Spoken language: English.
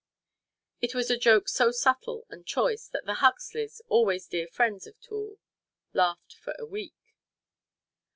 It was a joke so subtle and choice that the Huxleys, always dear friends of Toole, laughed for a week.